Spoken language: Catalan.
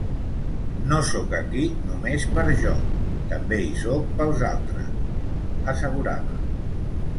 No sóc aquí només per jo, també hi sóc pels altres, assegurava.